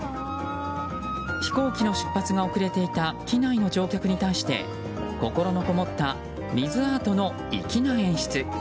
飛行機の出発が遅れていた機内の乗客に対して心のこもった水アートの粋な演出。